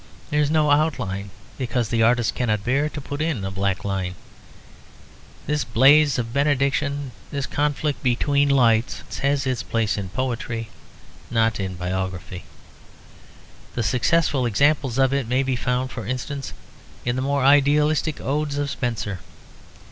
There is no outline, because the artist cannot bear to put in a black line. This blaze of benediction, this conflict between lights, has its place in poetry, not in biography. The successful examples of it may be found, for instance, in the more idealistic odes of Spenser.